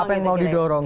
apa yang mau didorong